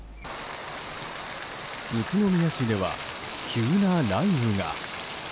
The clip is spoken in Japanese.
宇都宮市では急な雷雨が。